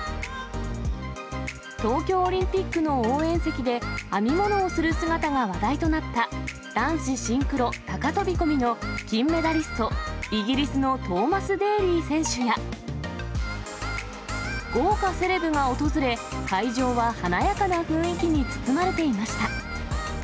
東京オリンピックの応援席で編み物をする姿が話題となった、男子シンクロ高飛び込みの金メダリスト、イギリスのトーマス・デーリー選手や、豪華セレブが訪れ、会場は華やかな雰囲気に包まれていました。